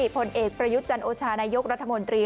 ผลเอกประยุทธ์จันโอชานายกรัฐมนตรี